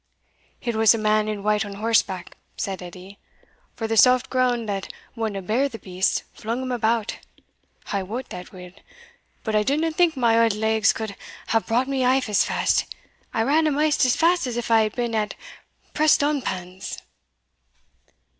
"It was a man in white on horseback," said Edie, "for the soft grund that wadna bear the beast, flung him about, I wot that weel; but I didna think my auld legs could have brought me aff as fast; I ran amaist as fast as if I had been at Prestonpans."